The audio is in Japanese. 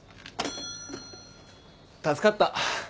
助かった。